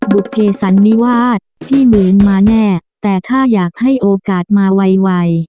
บุภเพสันนิวาสพี่หมื่นมาแน่แต่ถ้าอยากให้โอกาสมาไว